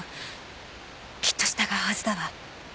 きっと従うはずだわ。